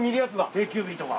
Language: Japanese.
「定休日」とか。